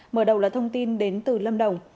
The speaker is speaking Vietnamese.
mở đầu là thông tin đến từ lâm đồng